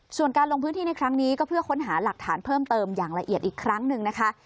ส่วนการลงพื้นที่ในครั้งนี้ก็เพื่อค้นหาหลักฐานเพิ่มเติมอย่างละเอียดอีกครั้งหนึ่งนะคะ